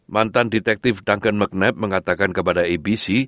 mantan detektif duncan mcnabb mengatakan kepada abc